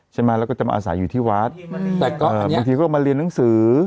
ใช่ไหมแล้วก็จะมาอาศัยอยู่ที่วัดแต่ก็บางทีก็มาเรียนหนังสือ